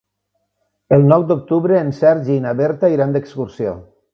El nou d'octubre en Sergi i na Berta iran d'excursió.